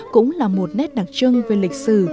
cũng là một nét đặc trưng về lịch sử